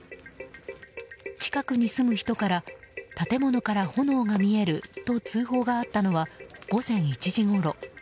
近くに住む人から建物から炎が見えると通報があったのは午前１時ごろ。